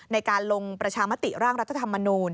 ในการลงประชามติร่างรัฐธรรมนูล